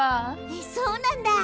えそうなんだ。